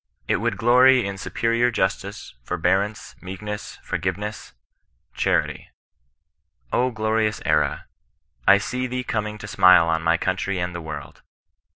It would glory in superior justice, forbearance, meekness, forgiveness — charity, O glorious era, I see thee coming to smile on my country and the world.